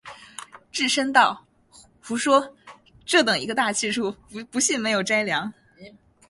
智深道：“胡说，这等一个大去处，不信没斋粮。